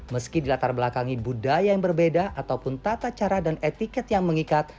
meski dilatar belakangi budaya yang berbeda ataupun tata cara dan etiket yang mengikat